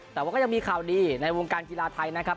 แต่ว่าก็ยังมีข่าวดีในวงการกีฬาไทยนะครับ